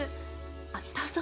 あっどうぞ。